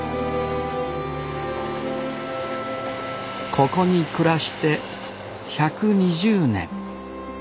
ここに暮らして１２０年。